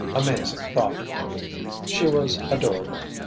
Amazing thought! She was adorable.